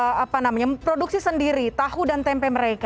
yang akhirnya membuat beberapa negara juga produksi sendiri tahu dan tempe mereka